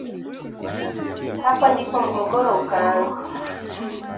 Hapo ndipo mgogoro ukaanza